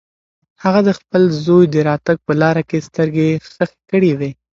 هغه د خپل زوی د راتګ په لاره کې سترګې خښې کړې وې.